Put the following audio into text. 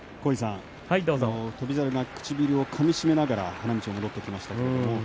翔猿が唇をかみしめながら花道を戻ってきました。